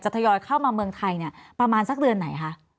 ทยอยเข้ามาเมืองไทยเนี่ยประมาณสักเดือนไหนคะ